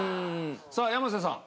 さあ山瀬さん。